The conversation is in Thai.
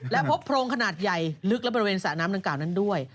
และพบโพพรงขนาดใหญ่ลึกในสาน้ำตาง้างกาวนั้นด้วย